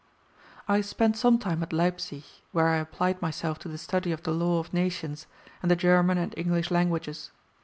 I spent some time at Leipsic, where I applied myself to the study of the law of nations, and the German and English languages.